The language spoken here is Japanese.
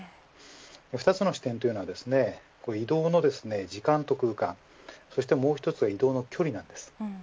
２つの視点というのは移動の時間と空間そしてもう一つが移動の距離なんです。